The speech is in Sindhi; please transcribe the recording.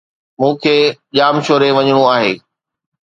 مون کي ڄامشوري وڃڻو آھي.